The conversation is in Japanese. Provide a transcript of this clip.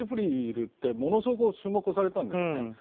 ＡＰＲＩＬってものすごく注目されたんですね。